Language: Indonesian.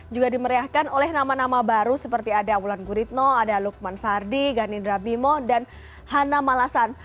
juga dimeriahkan oleh nama nama baru seperti ada wulan guritno ada lukman sardi ganindra bimo dan hana malasan